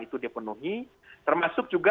itu dipenuhi termasuk juga